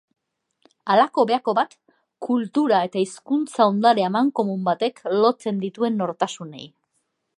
Halako behako bat kultura eta hizkuntza ondare amankomun batek lotzen dituen nortasunei.